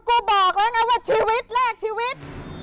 ก็กลัวบอกแล้วไงว่าชีวิตแลกชีวิต